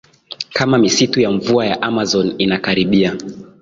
kama misitu ya mvua ya Amazon inakaribia